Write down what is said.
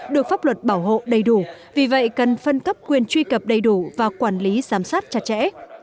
được pháp luật bảo hộ đầy đủ vì vậy cần phân cấp quyền truy cập đầy đủ và quản lý giám sát chặt chẽ